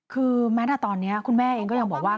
คือแม้แต่ตอนนี้คุณแม่เองก็ยังบอกว่า